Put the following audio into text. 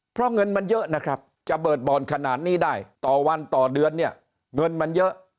เพราะเงินมันเยอะนะครับจะเบิดบ่อนขนาดนี้ได้ต่อวันต่อเดือนเนี่ยเงินมันเยอะ